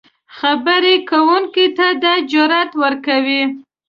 خبرې کوونکي ته دا جرات ورکوي